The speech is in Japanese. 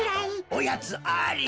おやつあり！